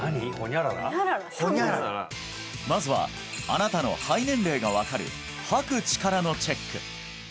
○○○○まずはあなたの肺年齢が分かる吐く力のチェック